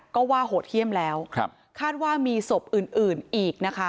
ก็ว่าโหดเยี่ยมแล้วคาดว่ามีศพอื่นอื่นอีกนะคะ